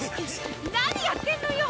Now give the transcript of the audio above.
何やってんのよ？